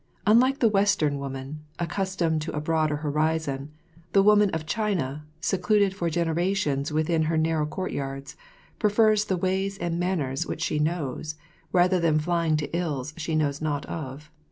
Unlike the Western woman, accustomed to a broader horizon, the woman of China, secluded for generations within her narrow courtyards, prefers the ways and manners which she knows, rather than flying to ills she knows not of.